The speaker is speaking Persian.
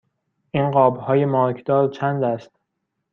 این قاب های مارکدار چند است؟